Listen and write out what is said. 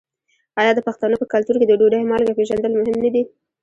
آیا د پښتنو په کلتور کې د ډوډۍ مالګه پیژندل مهم نه دي؟